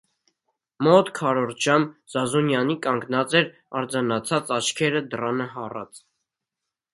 Մոտ քառորդ ժամ Զազունյանի կանգնած էր արձանացած՝ աչքերը դռանը հառած: